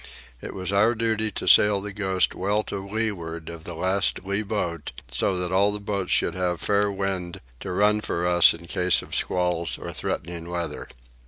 It was our duty to sail the Ghost well to leeward of the last lee boat, so that all the boats should have fair wind to run for us in case of squalls or threatening weather.